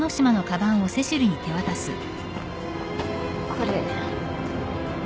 これ。